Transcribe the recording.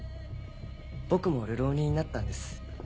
僕も「るろうに」になったんです。